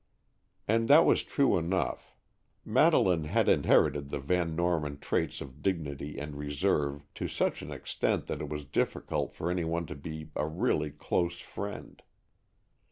And that was true enough. Madeleine had inherited the Van Norman traits of dignity and reserve to such an extent that it was difficult for any one to be a really close friend.